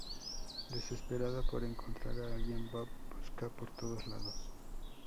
Desesperado por encontrar a alguien, Bob busca por todos lados.